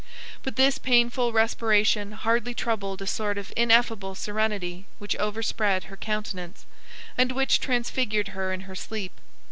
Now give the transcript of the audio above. But this painful respiration hardly troubled a sort of ineffable serenity which overspread her countenance, and which transfigured her in her sleep.